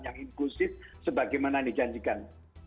yang inklusif sebagaimana dijanjikan